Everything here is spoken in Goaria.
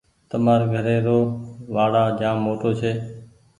تمآر گھري رو وآڙآ جآم موٽو ڇي۔